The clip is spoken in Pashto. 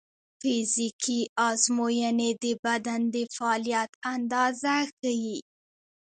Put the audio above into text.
فزیکي ازموینې د بدن د فعالیت اندازه ښيي.